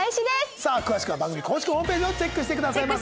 さあ詳しくは番組公式ホームページをチェックしてくださいませ。